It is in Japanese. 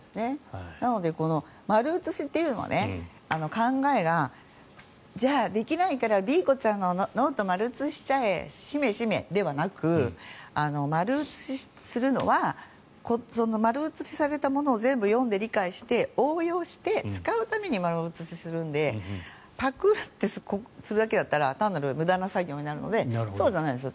なので丸写しというのは考えができないからＢ子ちゃんのノート丸写ししちゃえしめしめ、ではなく丸写しするのは丸写しされたものを全部読んで理解して応用して使うために丸写しするのでパクってするだけだったら単なる無駄な作業になるのでそうじゃないんです。